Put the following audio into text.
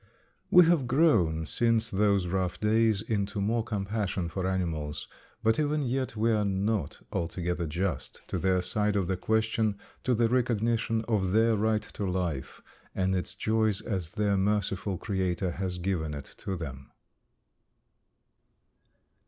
'"We have grown since those rough days into more compassion for animals, but even yet we are not altogether just to their side of the question, to the recognition of their right to life and its joys as their merciful Creator has given it to them.